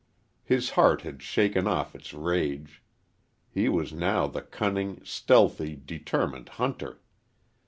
His heart had shaken off its rage. He was now the cunning, stealthy, determined hunter.